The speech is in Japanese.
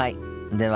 では。